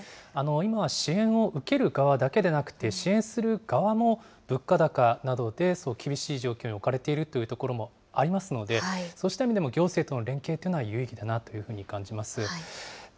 今は支援を受ける側だけでなくて、支援する側も、物価高などで厳しい状況に置かれているというところもありますので、そうした意味でも、行政との連携は有意義かなというふうに感じます。